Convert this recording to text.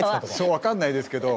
分かんないですけど。